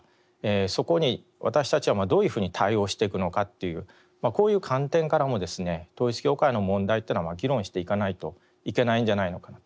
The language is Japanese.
そこに私たちはどういうふうに対応していくのかっていうこういう観点からもですね統一教会の問題っていうのは議論していかないといけないんじゃないのかなと。